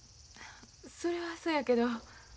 それはそやけど。